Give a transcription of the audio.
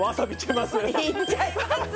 いっちゃいます？